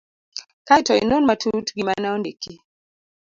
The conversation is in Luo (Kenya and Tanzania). Kae to inon matut gima ne ondiki.